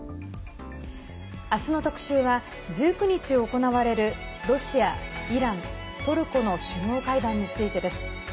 あすの特集は１９日行われるロシア、イラン、トルコの首脳会談についてです。